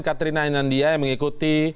katrina inandia yang mengikuti